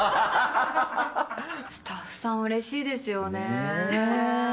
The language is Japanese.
スタッフさんうれしいですよね。